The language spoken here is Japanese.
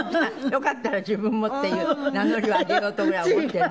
よかったら自分もっていう名乗りを上げようとぐらい思ってるの？